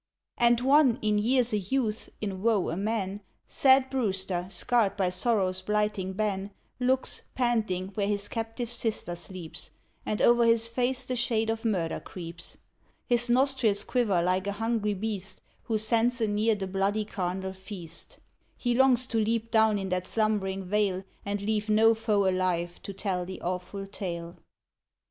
And one, in years a youth, in woe a man, Sad Brewster, scarred by sorrow's blighting ban, Looks, panting, where his captive sister sleeps, And o'er his face the shade of murder creeps. His nostrils quiver like a hungry beast Who scents anear the bloody carnal feast. He longs to leap down in that slumbering vale And leave no foe alive to tell the awful tale.